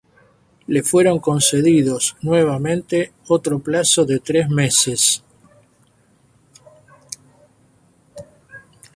Le fueron concedidos, nuevamente, otro plazo de tres meses.